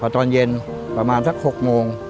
ตอนเย็นประมาณสัก๖โมง